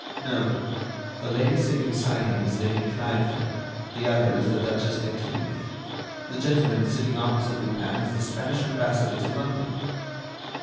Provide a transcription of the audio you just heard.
"No; the lady sitting beside him is Lady Cliveden; the other is the Duchess de Cleath. The gentleman sitting opposite Lupin is the Spanish Ambassador to London."